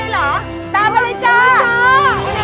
กลับบ้านกันเพิ่ง